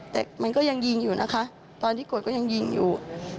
แต่มันก็ยังยิงอยู่นะคะตอนที่กดก็ยังยิงอยู่